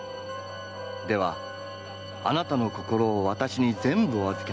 ではあなたの心を私に全部お預けなさい。